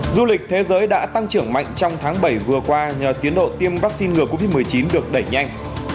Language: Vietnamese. du lịch thế giới đã tăng trưởng mạnh trong tháng bảy vừa qua nhờ tiến độ tiêm vaccine ngừa covid một mươi chín được đẩy nhanh